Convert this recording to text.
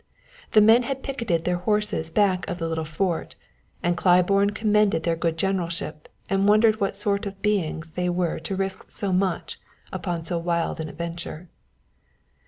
The men had picketed their horses back of the little fort, and Claiborne commended their good generalship and wondered what sort of beings they were to risk so much upon so wild an adventure.